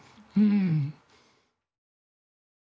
うん。